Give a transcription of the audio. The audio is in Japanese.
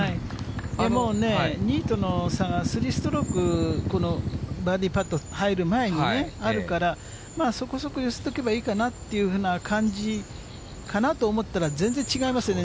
もうね、２位との差が３ストローク、このバーディーパット入る前にね、あるから、まあそこそこ寄せておけばいいかなというふうな感じかなと思ったら、全然違いますよね。